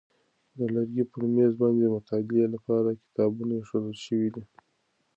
د لرګي په مېز باندې د مطالعې لپاره کتابونه ایښودل شوي دي.